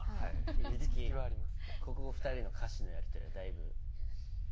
ここ２人の歌詞のやり取りはだいぶ。